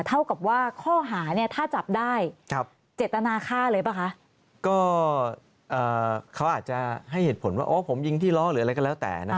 แต่เขาอาจจะให้เหตุผลว่าพบยิงที่เลาะหรืออะไรก็แล้วแต่